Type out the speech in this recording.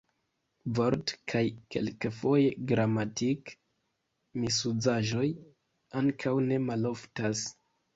Vort- kaj kelkfoje gramatik-misuzaĵoj ankaŭ ne maloftas.